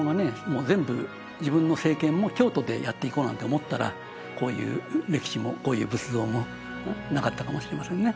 もう全部自分の政権も京都でやっていこうなんて思ったらこういう歴史もこういう仏像もなかったかもしれませんね